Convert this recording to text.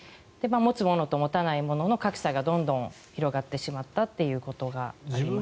持つ者と持たない者の格差がどんどん広がっていってしまったということがあります。